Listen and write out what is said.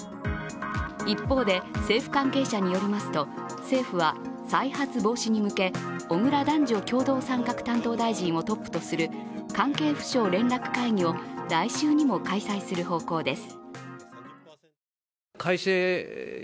一方で、政府関係者によりますと、政府は再発防止に向け、小倉男女共同参画担当大臣をトップとする関係府省連絡会議を来週にも開催する方向です。